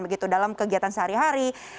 begitu dalam kegiatan sehari hari